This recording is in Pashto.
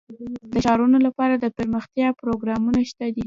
د ښارونو لپاره دپرمختیا پروګرامونه شته دي.